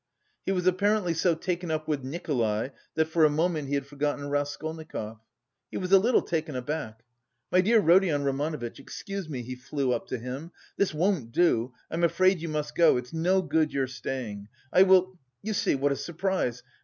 He was apparently so taken up with Nikolay that for a moment he had forgotten Raskolnikov. He was a little taken aback. "My dear Rodion Romanovitch, excuse me!" he flew up to him, "this won't do; I'm afraid you must go... it's no good your staying... I will... you see, what a surprise!...